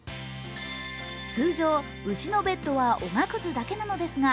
通常、牛のベッドはおがくずだけなのですが、